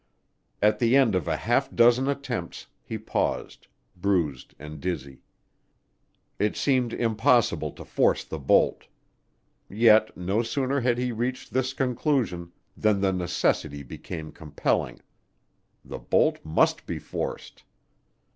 At the end of a half dozen attempts, he paused, bruised and dizzy. It seemed impossible to force the bolt. Yet no sooner had he reached this conclusion than the necessity became compelling; the bolt must be forced.